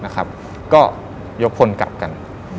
ก็ยกพลกลับกัน